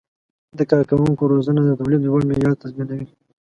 د کارکوونکو روزنه د تولید لوړ معیار تضمینوي.